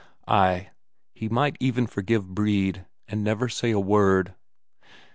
Ay, he might even forgive Brede, and never say a word....